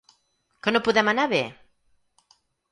Que no podem anar bé?